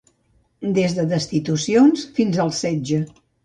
Des de destitucions fins al setge.